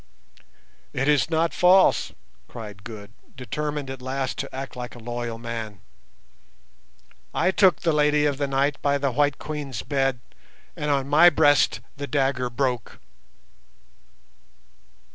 "It is not false," cried Good, determined at last to act like a loyal man. "I took the Lady of the Night by the White Queen's bed, and on my breast the dagger broke."